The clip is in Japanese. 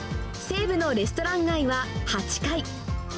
西武のレストラン街は８階。